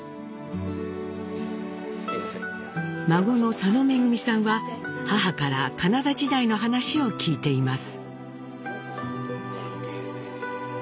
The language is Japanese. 孫の佐野恵さんは母からカナダ時代の話を聞いています。